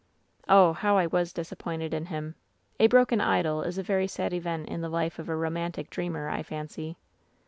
"Oh, how I was disappointed in him ! A broken idol is a very sad event in the life of a romantic dreamer, I fancy.